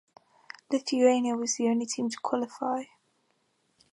Lithuania was the only team to qualify.